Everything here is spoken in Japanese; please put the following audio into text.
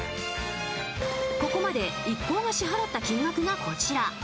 ここまで一行の支払った金額はこちら。